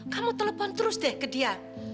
kamu telepon terus deh ke dia